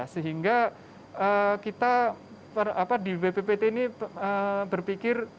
sehingga kita di bppt ini berpikir